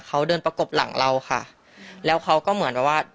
เขาเดินประกบหลังเราค่ะแล้วเขาก็เหมือนแบบว่า